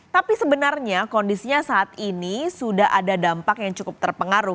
tapi sebenarnya kondisinya saat ini sudah ada dampak yang cukup terpengaruh